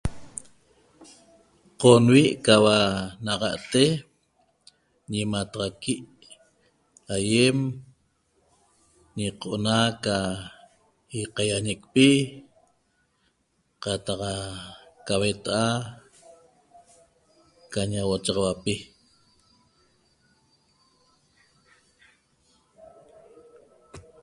Qom vi qaba naxate ñimataxaqui aiem incona qa iaquianeqpi qataxa qa huetaha ñecona qa ñochaxauapi